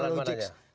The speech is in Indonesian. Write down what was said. kejanggalan mana ya